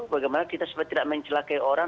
bagaimana kita supaya tidak mencelakai orang